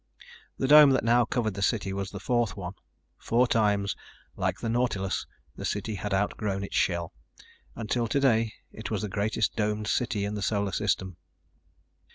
The dome that now covered the city was the fourth one. Four times, like the nautilus, the city had outgrown its shell, until today it was the greatest domed city in the Solar System.